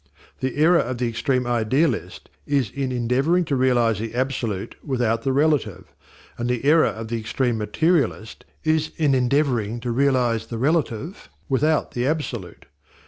The error of the extreme idealist is in endeavouring to realize the absolute without the relative, and the error of the extreme materialist is in endeavouring to realize the relative without the absolute.